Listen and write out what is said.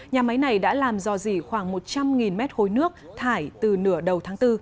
nhà máy này đã làm dò dỉ khoảng một trăm linh mét hối nước thải từ nửa đầu tháng bốn